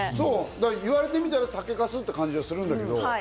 言われてみたら酒かすって感じはするんだけど。